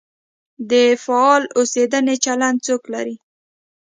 د فعال اوسېدنې چلند څوک لري؟